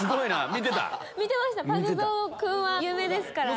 見てましたパグゾウ君は有名ですから。